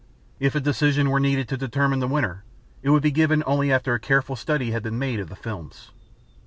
If a decision were needed to determine the winner, it would be given only after a careful study had been made of the films.